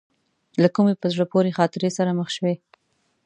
له کومې په زړه پورې خاطرې سره مخ شوې.